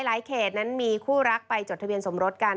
เขตนั้นมีคู่รักไปจดทะเบียนสมรสกัน